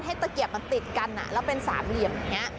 ตะเกียบมันติดกันแล้วเป็นสามเหลี่ยมอย่างนี้